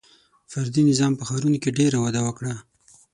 • فردي نظام په ښارونو کې ډېر وده وکړه.